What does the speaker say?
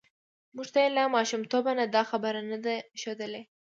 موږ ته یې له ماشومتوب نه دا خبره نه ده ښودلې